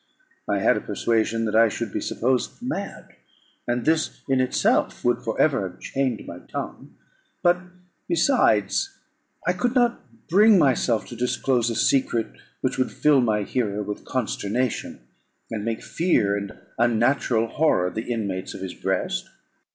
I had a persuasion that I should be supposed mad; and this in itself would for ever have chained my tongue. But, besides, I could not bring myself to disclose a secret which would fill my hearer with consternation, and make fear and unnatural horror the inmates of his breast.